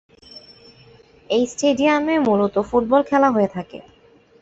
এই স্টেডিয়ামে মূলত ফুটবল খেলা হয়ে থাকে।